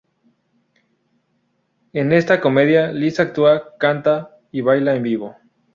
En esta comedia Liz actúa, canta y baila en vivo.